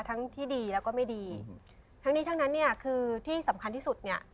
ทั้งที่ดีแล้วก็ไม่ดีทั้งนี้ทั้งนั้นเนี่ยคือที่สำคัญที่สุดเนี่ย